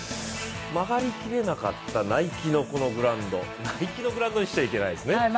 曲がりきれなかったＮｉｋｅのグラウンドＮｉｋｅのグラウンドにしちゃいけないですね。